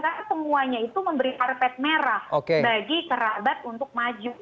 karena semuanya itu memberi arpet merah bagi kerabat untuk maju